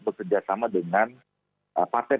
bekerja sama dengan partai